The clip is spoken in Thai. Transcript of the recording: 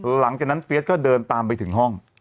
หลังจากนั้นเฟียสก็เดินตามไปถึงห้อง